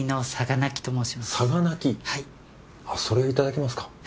あっそれいただけますか？